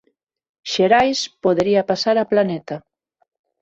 Xerais podería pasar a Planeta